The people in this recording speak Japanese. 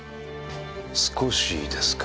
少しですか。